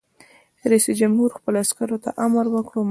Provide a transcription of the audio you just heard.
رئیس جمهور خپلو عسکرو ته امر وکړ؛ مخکې!